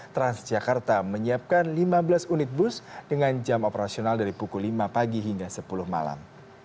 transjakarta menyiapkan lima belas unit bus dengan jam operasional dari pukul lima pagi hingga sepuluh malam